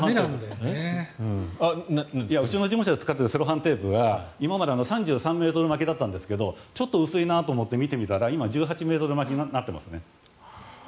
うちの事務所で使っていたセロハンテープが今まで３３ｍ巻きだったんですがちょっと薄いなと思って見てみたら今、１８ｍ巻きになってますね。